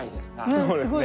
そうですね。